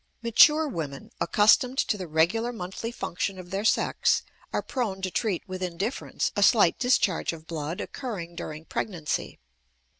Mature women, accustomed to the regular monthly function of their sex, are prone to treat with indifference a slight discharge of blood occurring during pregnancy.